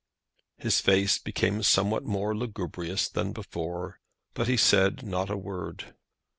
His face became somewhat more lugubrious than before, but he said not a word.